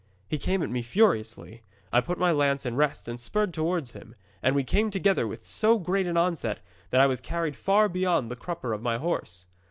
'He came at me furiously. I put my lance in rest and spurred towards him, and we came together with so great an onset that I was carried far beyond the crupper of my horse.